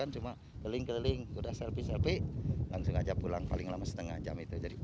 cuma keliling keliling sudah selesai selesai langsung saja pulang paling lama setengah jam